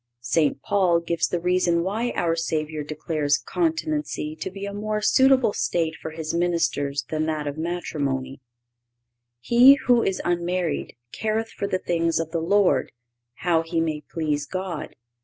St. Paul gives the reason why our Savior declares continency to be a more suitable state for His ministers than that of matrimony: "He who is unmarried careth for the things of the Lord—how he may please God.